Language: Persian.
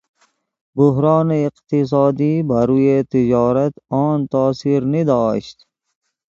بحران اقتصادی بر روی تجارت آن تاثیر نداشت.